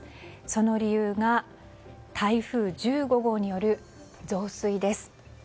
その理由が台風１５号による増水です。